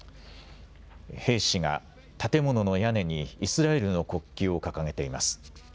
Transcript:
兵士が建物の屋根にイスラエルの国旗を掲げています。